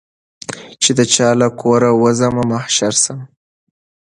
چي د چا له کوره وزمه محشر سم